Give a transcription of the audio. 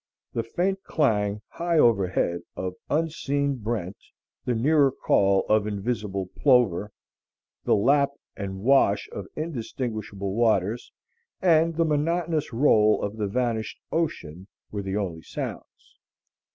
The faint clang, high overhead, of unseen brent, the nearer call of invisible plover, the lap and wash of undistinguishable waters, and the monotonous roll of the vanished ocean, were the only sounds.